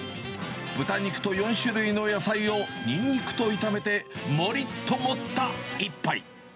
豚肉と４種類の野菜をニンニクと炒めてもりっと盛った一杯。